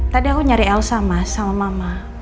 tadi aku nyari elsa mas sama mama